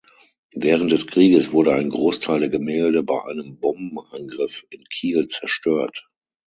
Während des Krieges wurde ein Großteil der Gemälde bei einem Bombenangriff in Kiel zerstört.